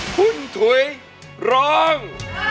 คุณถุยร้อง